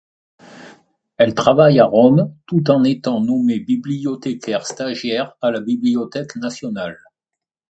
Elle travaille à Rome, tout en étant nommée bibliothécaire-stagiaire à la Bibliothèque nationale.